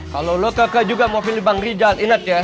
kalau lu keke juga mau pilih bang rijal